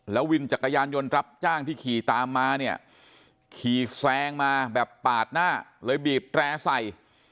วินจักรยานยนต์รับจ้างที่ขี่ตามมาเนี่ยขี่แซงมาแบบปาดหน้าเลยบีบแตร่ใส่